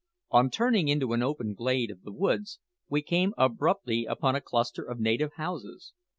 On turning into an open glade of the woods, we came abruptly upon a cluster of native houses.